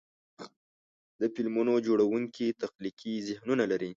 د فلمونو جوړونکي تخلیقي ذهنونه لري.